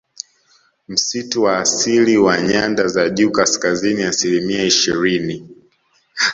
Msitu wa asili wa nyanda za juu kaskazini asilimia ishirini